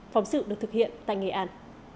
phóng sự được thực hiện tại nghệ an